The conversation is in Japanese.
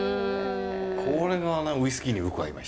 これがウイスキーによく合いました。